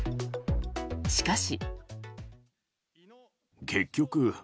しかし。